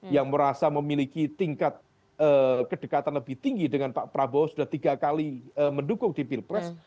yang merasa memiliki tingkat kedekatan lebih tinggi dengan pak prabowo sudah tiga kali mendukung di pilpres